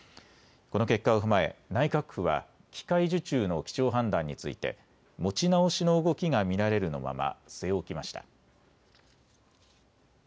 この結果を踏まえ、内閣府は機械受注の基調判断について持ち直しの動きが見られるのまま据え置きました。